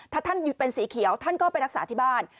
ถ้าท่านเป็นสีเขียวท่านก็ไปรักษาที่บ้าน